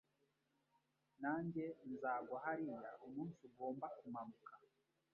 Nanjye nzagwa hariya umunsi ugomba kumanuka